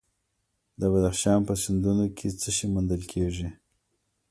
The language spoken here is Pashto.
د بدخشان په سیندونو کې څه شی موندل کیږي؟